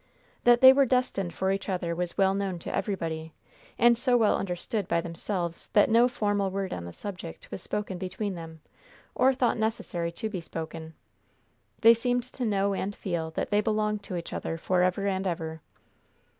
That they were destined for each other was well known to everybody, and so well understood by themselves that no formal word on the subject was spoken between them, or thought necessary to be spoken. They seemed to know and feel that they belonged to each other forever and ever.